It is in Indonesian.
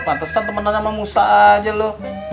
lantesan temen temen ama musa aja lo